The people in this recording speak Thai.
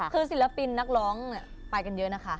คือศิลปินนักร้องไปกันเยอะนะคะ